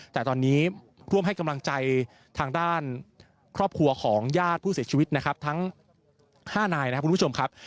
แต่ตอนนี้ร่วมให้กำลังใจทางด้านครอบครัวของญาติผู้เสียชีวิตนะครับทั้ง๕นายนะครับคุณผู้ชมครับ